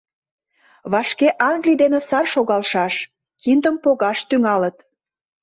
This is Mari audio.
— Вашке Англий дене сар шогалшаш, киндым погаш тӱҥалыт.